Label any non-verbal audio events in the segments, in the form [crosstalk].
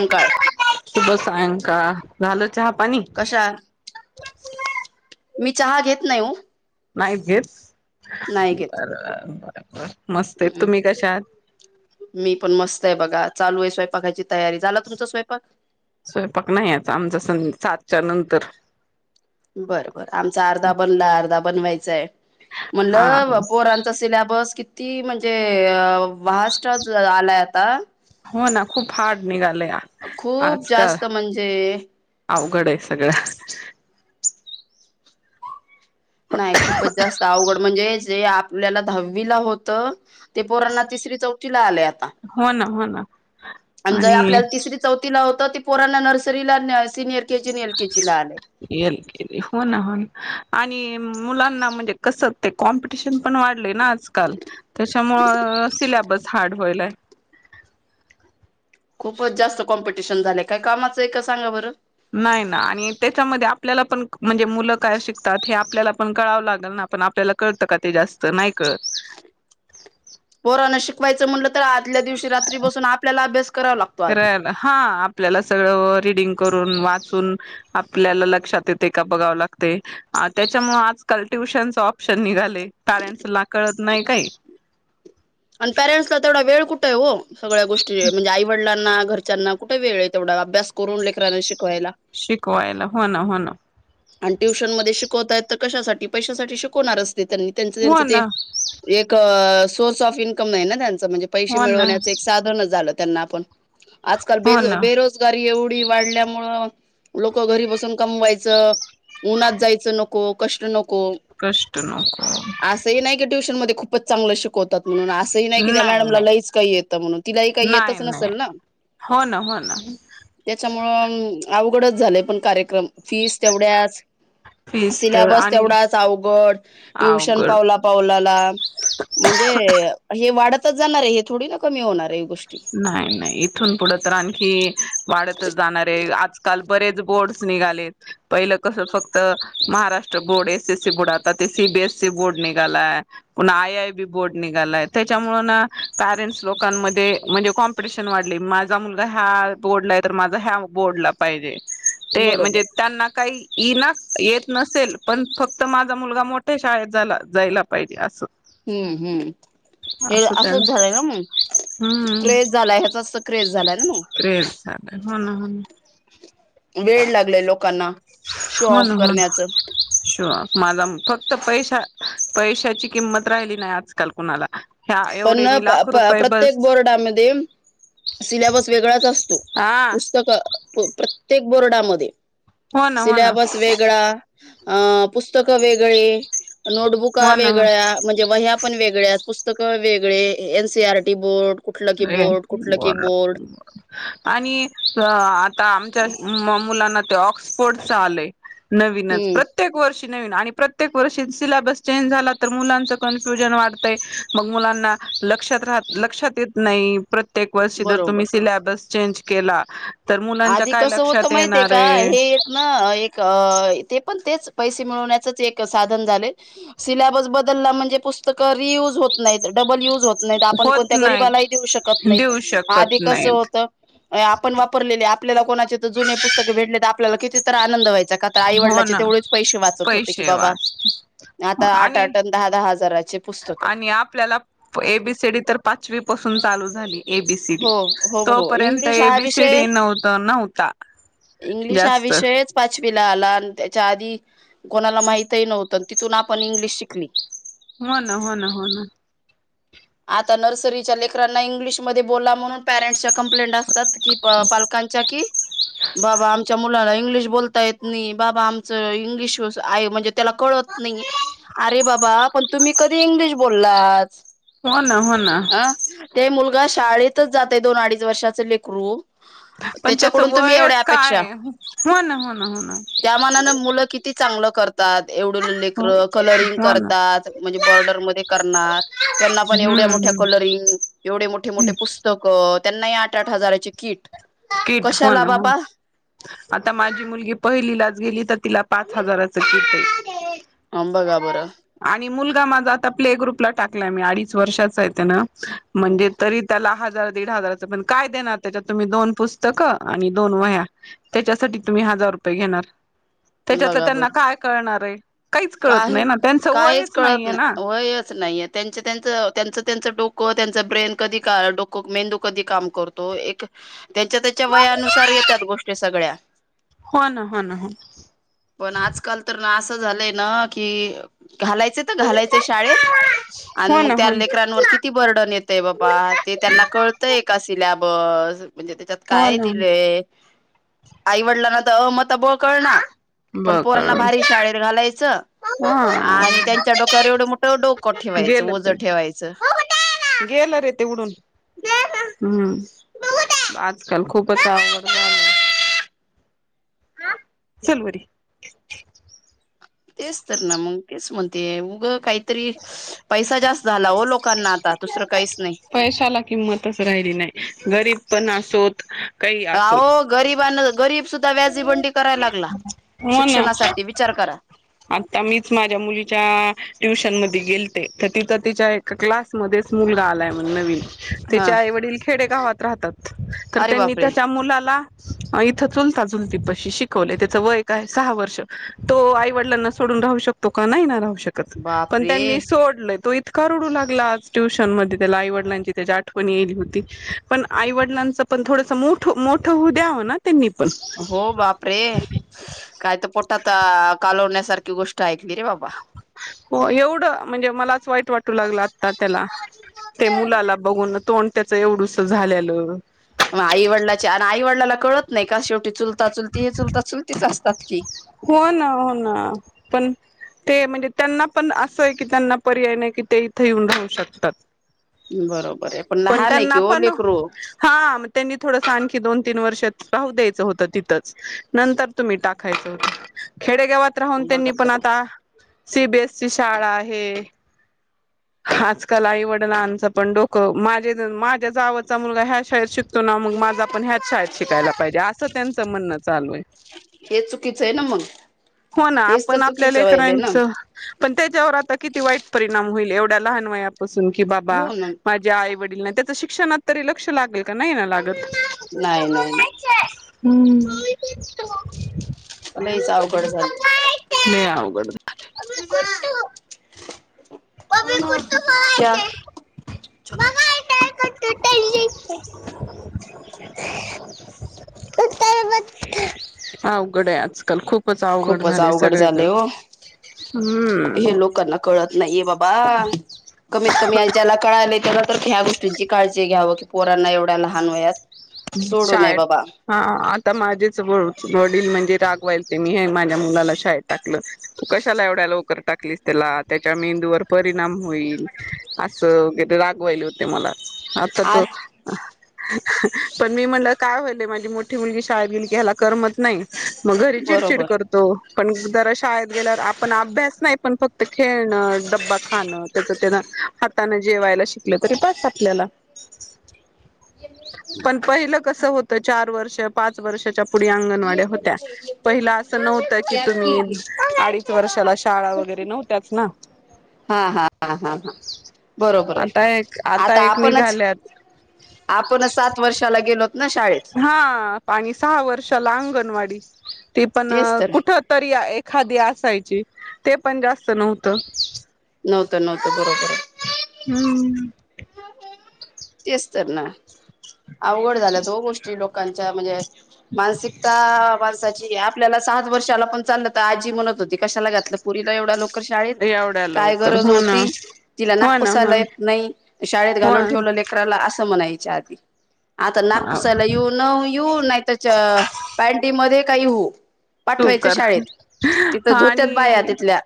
कंकाळ सुब सांय का झालं चहा, पाणी कशा [unintelligible] मी चहा घेत नाही हो. नाही गेत बर. ् मी पण मस्त आहे बघा चालू आहे स्वयंपाकाची तयारी झाला तुमचा स्वयंपाक स्वयंपाक नाही आता आमचा स सातच्या नंतर बरं बरं आमचा अर्धा बनला अर्धा बनवायचाय. हा म्हणटलं पोरांचा सिलेबस किती म्हणजे अ मष्ट्र आलाय आता. हो ना खूप हार्ड निघाले खूप आजकाल जास्त म्हणजे आ. उघड आहे सगळं. नाही खूपच जास्त अवघड म्हणजे जे आपल्याला दहावी ला होत ते पोरांना त चौथी ला आल्या. हो ना हो ना. आणि ज आपल्याला तिसरी चौथीला होत ती पोराना नर्सरीला न येल ग हो ना हो ना आणि मुलांना म्हणजे कस कॉमपिटिशन पण वाढले ना. त्याच्यामुळ सिलेबस हार्ड होईलय. खूपच जास्त कॉम्पिटिशन झाले काय कामाचं आहे का सांगा बरं. नाही ना आणि त्याच्यामध्ये आपल्याला पण म्हणजे मुलं काय शिकतात हे आपल्याला पण कळावं लागेल ना. आपण आपल्याला कळतं का ते जास्त नाही कळत. [unintelligible] शिकवायच म्हटलं तर आदल्या दिवशी रात्री बसून आपल्याला अभ्यास करावा लागतो आधी करायला हा आपल्याला सगळं रीडिंग करून वाचून आपल्याला लक्षात येते का बघावं लागते. त्याच्यामुळे आजकाल ट्युशनच ऑप्शन निघाले पॅरेंट्स ला कळत नाही काही आणि पॅरेंट्सला तेवढा वेळ कुठे आहे हो सगळ्या गोष्टी म्हणजे आईवडला घरच्यांना कुठे वेळ आहे तेवढा अभ्यास करून लेकरराना शिकवायला. शिकवायला हो ना हो ना आणि ट्युशन मध्ये शिकवताय तर कशासाठी पैशासाठी शिकवणारच त्यांच त्यांच हो ते ना एक सोर्स ऑफ इन्कम नाही ना त्यां म्हणजे पैसे हो ना मिळवण्याधन झाल त्यांना आपण आज काल हो ना बेरोजगारी एवढी वाढल्यामुळ लोक घरी बसून कमवायचं उन्हात जायचं नको कष्ट नको. कष्ट नको असंही नाही की ट्यूशनध्ये खूपच चांगल शिकव तात म्हणून असंही नाही की त्या मॅडमला लईच काही येतं म्हणून तिलाही काही नाही येतच नाही नसेल ना हो ना हो ना त्यामुळ अवघडच झालं पण कार्यक्रम फीस तेवढ्याच फीस तेवढ सिल्याबस आणि तेवढाच अवघड ट्युशन अवघड पावला पावलाला म्हणजे हे वाढतच जाणार आहे हे थोडी ना कमी होणार आहे. गोष्टी नाही नाही इथून पुढं तर आणखी वाढतच जाणार आहे आजकाल बरेच बोर्डस निघाले पहिलं कस फक्त Maharashtra board S SC board आता ते C C B S C board निघालाय आय आय बी बोर्ड निघालाय त्याच्यामुळं ना परेन्ट्स लोक मध्ये कॉम्पिटीशन वाढलंय माझा मुलगा ह्या बोर्ड आहे तर माझा ह्या बोर्डला पाहिजे. ते बरोबर म्हणजे त्यांना काही ईनाच येत नसेल पण फक्त माझा मुलगा मोठ्या शाळेत झाला जायला पाहिजे असं हम हम हे असं असंच त्यांच झालंय ना मग हम्म क्रेझ झालाय ह्याचा तर क्रेझ झालाय ना मग क्रेज हो ना हो ना वेड लागलय लोकांना शो हो ना ऑफ हो ना करण्याच शोअप माझा फक्त पैशा पैशाची किंमत राहिली नाही आजकाल कुणाला ह्या पण एवढे मी प लाखो प रुपये प्रत्येक बस बोर्डामध्ये सिलॅबस वेगळाच असतो, हा पुस्तकं प्रत्येक बोर्डामध्ये हो ना हो ना सिलॅबस वेगळा अ पुस्तकं वेगळी, नोटबुका हो ना वेगळ्या, म्हणजे वह्या पण वेगळ्याच पुस्तक वेगळे एन सीआर टी बोर्ड कुठलं की रेन बोर्ड कुठलं की बोर्ड आणि आता आमच्या मुलांना ते ऑक्सफर्डच आलय नवीनच हम्म प्रत्येक वर्षी नवीन आणि प्रत्येक वर्षी सिलॅबस चेंज झाला तर मुलांच कन्फ्युजन वाढतंय मग मुलांना लक्षात राहत लक्षात येत नाही प्रत्येक वर्षी जर बरोबर तुम्ही सिलेबस चेंज केला तर मुलांच्या आधी काय कस होत लक्षात माहितीय येणार का आहे हे एक ना एक अ व्हय ते पण तेच पैसे मिळवण्याचंच एक साधन झालय सिलॅबस बदलला म्हणजे पुस्तकं री यूज होत नाहीत डबल युज होत नाहीत आपण होत कोणत्या नाहीत गरीबालाही देऊ शकत देऊ नाहीत शकत आधी कसं नाहीत होतं आपण वाप लेली आपल्याला कोणाचे जुने पुस्तक भेटले तर आपल्याला कितीतर आनंद व्हाय चा का तर हो आईवडलाचे ना तेवढेच पैसे वाचत होते की पैसे बाबा वाच आता आठ आणि आठ दहा दहा हजाराचे पुस्तकं आणि आपल्याला एबीसीडी तर पाचवी पासून चालू एबी सी डी हो हो हो तोपर्यंत इंग्लिश हा एबी विषय सीडी न्हवतं नव्हता. इंग्लिश हा जास्त विषयच पाच विला आला आणि त्याच्या आधी कोणाला माहितही नव्हतं तिथून आपण इंग्लिश शिकली. हो ना हो ना हो ना आता नर्सरीच्या लेकरांना इंग्लिशमध्ये बोला म्हणून पॅरेन्ट्सच्या कंप्लेंट असतात कि पालकांच्या की बाबा आमच्या मुलाला इंग्लिश बोलता येत नाही बाबा आमचं इंग्लिश आहे म्हणजे त्याला कळत नाही. अरे बाबा पण तुम्ही कधी इंग्लिश बोललाच. हो ना हो ना हा ते मुलगा शाळेतच जातंय दोन अडीच वर्षाच लेकरू ह पण त्याच त्याच्याकडून तुम्ही एवढ्या वयच अपेक्षा काय हो ना हो ना हो ना त्या मानान मुलं किती चांगलं करतात एवढलं हो लेकरं कलरिंग हो ना करतात म्हणजे बॉर्डर मध्ये करणार त्यांना पण एवढ्या हम्म मोठ्या हम्म कलरिंग एवढे मोठे मोठे पुस्तकं त्यांनाही आठ आठ हजाराची किट फोन आता माझी मुलगी पहिलीलाच गेली तर तिला पा च हजाराचं किट आहे बघा बरं आणि मुलगा माझा आता प्ले ग्रुप ला टाकलाय मी अडीच वर्षाचाआहे तेन म्हणजे तरी त्याला हा जार दीड हजाराचं पण काय देणार? त्याच्यात तुम्ही दोन पुस्तकं आणि दोन वह्या त्याच्यासाठी तुम्ही हजार रुपये घेणार त्याच्यातलं त्यांना काय कळणार आहे काहीच कळत काही नाही ना त्यांचं काहीच वयच कळत नाहीये ना नाही वयच नाहीे त्यांच त्यांच त्यांचं त्यांच डोक कं तेचं ब्रेन कधी डोक मेंदू कधी काम करतो एक त्याच्या त्याच्या हो वयानुसार घेत्यात गोष्टी सगळ्या ना हो ना हो अस झालंय ना की घालायच त हो घालायचय शाळेत आणि मग ना त्या हो लेकरांवर किती बर्डन येतय बाबा ते त्यांना ना कळतय का सिलॅब बस म्हणजे त्याच्यात हो काय ना दिलंय आईवडिलांना तर अ मत ब कळना पण पोरांना भारी बघ शाळेत घालायच हा आणि त्यांच्या डोक्यावर एवढं मोठ डोकं ठेवायचं ओज ठेवायचं गेल रे ते उडून हम्म आजकाल खूपच आवड झाली सलमरी तेच तर ना मग तेच म्हणते उग काहीतरी पैसा जास्त झाला हो लोक पैशाला किंमतच राहिली नाही गरीब पण असोत काही राह असोत गरीबना गरीब सुद्धा व्याजीबंडी करायला लागला हो ना शिक्षणासाठी विचार करा आता मीच माझ्या मुलीच्या ट्युशन म गेल तर तिथं तिच्या ए क्लासमध्येच मुलगा आलाय मण नवीन हा त्याच्या आईवडील खेडे का हो राहतात तर अरे त्यांनी बापरे त्याच्या मुलाला इथ चुलता चुलती पशी शिकवले त्याच वयक आहे सहा वर्ष तो आईवडलांना सोड राहू शकतो का नाही राहू शकत पण बापरे त्यांनी सोडल तो इतका रुडू लागला ्यशन म त्या आईवडलांची त्या आठवणीली होती पण आईवडलांच पण थोडस मोठ मोठ होऊ द्याव ना त्यांनी पण हो बापरे काय तर पोटात कालवण्यासारखी गोष्ट आहेऐ हो एवढं म्हणजे मलाच वाईट वाटू लागलं आता त्याला ते मुलाला बघून तोंड त्याच एवढस झालेलं आई वडिलाची आणि आई वडिलाला कळत नाही का शेवटी चुलता चुलती हे चुलता चुल हो ना हो ना पण ते म्हणजे त्यांना पण असं आहे की त्यांना पर्याय नाही कि ते इथं येऊन राहू शकतात बरोबर आहे पण लहा नाही कि लेकर रो हाग त्यांनी थोडं आणखी दोन तीन वर्ष द्यायच होत तिथच नंतर तुम्ही टाकायच होत खेडेगावात राहून त्यांनी बघा पण आता सीबीएस ची शाळा आहे आजकाल आईवडलांचं पण डोकं माझे माझ्या जा आवचा मुलगा ह्या शाळेत शिक तो ना मग माझा पण ह्याच शाळेत शिकायला पाहिजे असं त्यांचं म्हणणं चालूय हे चुकीचं आहे ना मग हो ना हेच आपण तर आपल्या चुकीचं व्हायलय ना लेकरनाांचं पण त्याच्यावर आता किती वाईट परिणाम होईल एवढ्या लहान वयापासून की बाबा हो ना माझे आई वडील शिक्षणात तरी लक्ष लागेल का नाही ना लागत नाही नाही नाही हम् मला हच अवघड झालं बाबा कठ त क्या मा य अवघड आजकाल खूप खूपच अवघड झाले हो हम्म हे लोकांना कळत नाही बाबा बा कमीत कमी जला कळाला त्याला तर ह्या गोष्टींची काळजी घ्यावं की पोरांना एवढ्या लहान वयात सोडू शा नये बाबा हा आता माझेच व वडील म्हणजे टागवाल ते मी हे माझ्या मुलाला शाळेत टाकलं तू कशाला एवढ्या लवकर टाकलीस त्याला त्याच्या मी परिणाम होईल अस वगरे रागवायले होते मला आता आ त पण मी म्हणलं काय होले माझी मोठी मुलगी शाळेत गेली की ह्याला करमत नाही मग घरी चिडचिड बरोबर करतो पण जरा शाळेत गेल्यावर आपण अभ्यास नाही पण फक्त खेळणं डब्बा खाणं त्याच त्यान हाताने जेवायला शिकल तरी पास आपल्याला ए पण पहिलं कस होतं चार वर्ष पाच वर्षाच्या पुढ अंगणवाड्या होत्या पहिला असं नव्हतं की तुम्ही अडीच वर्षाला शाळा वगैर वैर नव्हत्याच ना हा हा हा हा हा बरोबर आहे आता एक आता एक आपणच निघाल्यात आपण सात वर्षाला गेलोतो हा आणि सहा वर्षाला अंगणवाडी ते पण तेच तर कुठ तरी खादी असायची ते पण जास्त नव्हतं नव्हतं नव्हतं बरोबर हम्म तेच तर ना अवघड झाल्यात गोष्टी लोक क म्हणजे मानसिकता माणसाची आपल्याला सात वर्षाला पण चालल आजी म्हण कशाला घातलं पुरीला एवढा लोक शाळेत एवढ्या काय लवकर गरज हो ना होती तिला हो ना नागपुसालाय नाही शाळेत हो घालून ठेवलं लेकराला असं म्हणायच्या आधी आता हो नागपुसाला येऊ न येऊ नाही त्याच्या पांडी मध्ये काही होऊ पाठवायचं सुकर शाळेत तिथं हा धोत्यात बाया आणि तिथल्या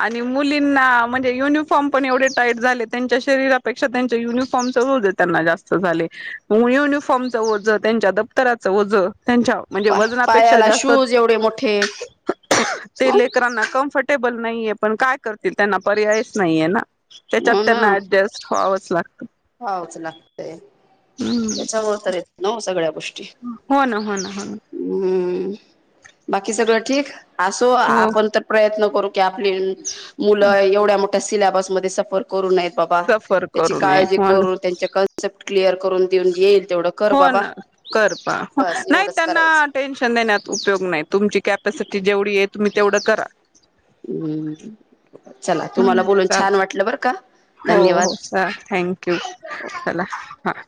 आणि मुलींना म्हणजे युनिफॉर्म पण एवढे टाईट झाले त्यांच्या शरीरापेक्षा त्यांच्या युनिफॉर्म ना जास्त झाुनिफॉर्मच वज त्यांच्या दप्तराच वज त्यांच्या म्हणजे वजनापेक्षा पायाला जास्त शूज एवढे मोठे ते ह लेकरांना कम ेबल नाहीये पण काय करतील त्यांना पर्यायच नाहीे ना त्याच्यात त्यांना ऍडजस्ट वक्त हावच लागतंय हम्म त्याच्यामुळे तर येत न सगळ्या गोष्टी हो ना हो ना हो ना हम्म बाकी सगळं ठीक असो हो आपण तर प्रयत्न करू आपली मुलं एवढ्या मोठ्या सिलबसमध्येध्ये सफर करून नाही बाबा सफर त्याची करू नये काळजी हो ना. करून त्यांचे कन्सेप्ट क्लिअर करून देऊन येईल तेवढं कर हो बाबा ना कर बस नाही एवढंच त्यांना करायचं टेन्शन देण्यात उपयोग नाही तुमची कपस जेवढी आहे तुम्ही तेवढं करा हम्म चला तुम्हाला बोलून चाल छान वाटलं बरं का हो हो धन्यवाद च थँक यू चला हा